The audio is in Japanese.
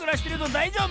だいじょうぶ？